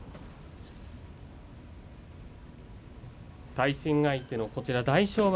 対戦相手の大翔丸